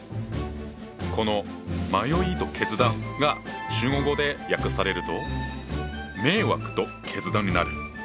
この「迷いと決断」が中国語で訳されると「迷惑と決断」になる。